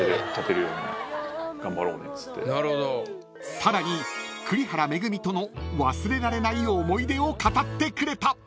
［さらに栗原恵との忘れられない思い出を語ってくれた］